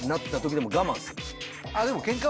でも。